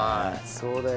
そうだよね。